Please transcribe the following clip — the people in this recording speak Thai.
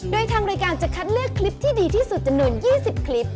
โดยทางรายการจะคัดเลือกคลิปที่ดีที่สุดจำนวน๒๐คลิป